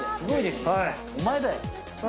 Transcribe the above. お前だよ。